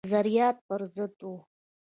نظریات پر ضد وه.